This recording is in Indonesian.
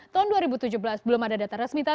tahun dua ribu tujuh belas belum ada data resmi